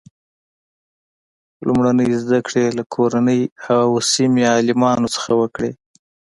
لومړنۍ زده کړې یې له کورنۍ او سیمې عالمانو څخه وکړې.